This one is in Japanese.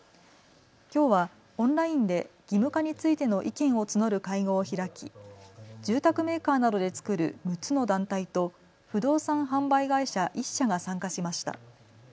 きょうはオンラインで義務化についての意見を募る会合を開き住宅メーカーなどで作る６つの団体と不動産販売会社１社が参加しました。